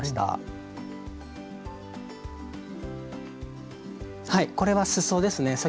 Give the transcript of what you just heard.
はいこれはすそですね。